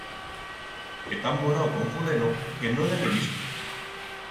He tambonau con fuleno que no l'hebe visto.